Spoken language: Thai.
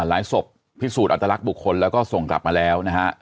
หลายศพผิดสูตรอตรรักบุคคลแล้วก็ส่งกลับมาแล้วนะฮะ